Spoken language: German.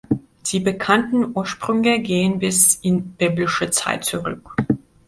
Die bekannten Ursprünge gehen bis in biblische Zeit zurück.